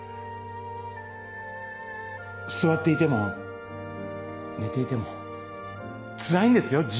座っていても寝ていてもつらいんですよ